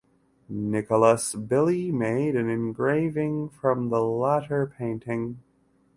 Nicolaus Billy made an engraving from the latter painting.